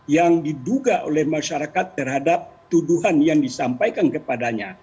yang diduga oleh masyarakat terhadap tuduhan yang disampaikan kepadanya